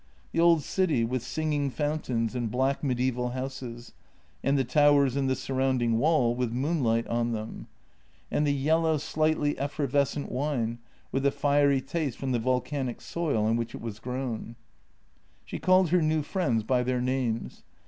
The old city with singing fountains and black mediaeval houses, and the towers in the surrounding wall with moonlight on them. And the yellow, slightly effervescent wine, with a fiery taste from the volcanic soil on which it was grown. She called her new friends by their names.